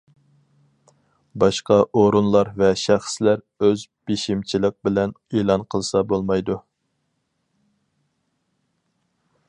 باشقا ئورۇنلار ۋە شەخسلەر ئۆز بېشىمچىلىق بىلەن ئېلان قىلسا بولمايدۇ.